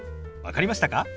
分かりましたか？